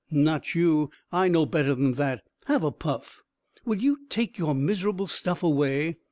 "Not you. I know better than that. Have a puff." "Will you take your miserable stuff away?"